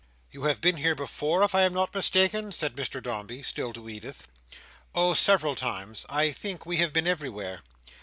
"You have been here before, if I am not mistaken?" said Mr Dombey. Still to Edith. "Oh, several times. I think we have been everywhere."